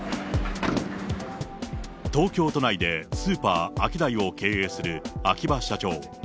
東京都内でスーパー、アキダイを経営する秋葉社長。